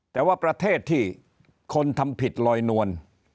แต่ว่าประเทศที่คนทำผิดลอยนวล